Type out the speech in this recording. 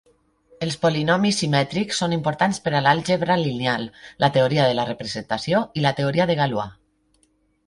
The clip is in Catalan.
Els polinomis simètrics són importants per a l'àlgebra lineal, la teoria de la representació i la teoria de Galois.